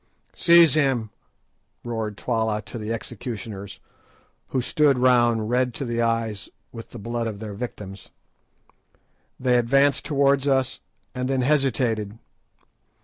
"Seize him!" roared Twala to the executioners; who stood round red to the eyes with the blood of their victims. They advanced towards us, and then hesitated.